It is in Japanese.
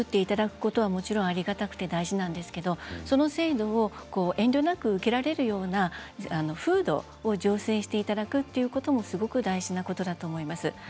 まずは制度を作っていただくことはありがたくて大事なんですがその制度を遠慮なく受けられるような風土を醸成していただくこともすごく大事なことだと思います。